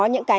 và những cái